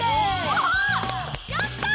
わやった！